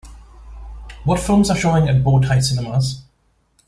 what films are showing at Bow Tie Cinemas